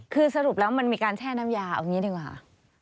คือสรุปแล้วมันมีการแช่น้ำยาเอาอย่างนี้ดีกว่า